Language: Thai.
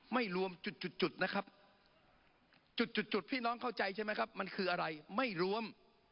ไม่รวมจุดจุดนะครับจุดจุดพี่น้องเข้าใจใช่ไหมครับมันคืออะไรไม่รวม